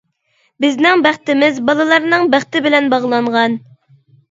بىزنىڭ بەختىمىز بالىلارنىڭ بەختى بىلەن باغلانغان.